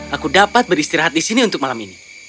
aku dapat beristirahat di sini untuk malam ini